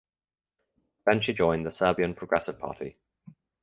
Then she joined the Serbian Progressive Party.